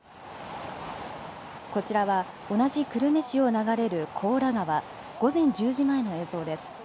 こちらは同じ久留米市を流れる高良川、午前１０時前の映像です。